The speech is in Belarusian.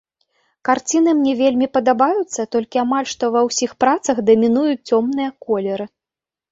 Карціны мне вельмі падабаюцца, толькі амаль што ва ўсіх працах дамінуюць цёмныя колеры.